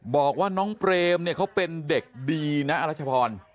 บอกว่าน้องเปรมเนี่ยเขาเป็นเด็กดีนะอรัชพร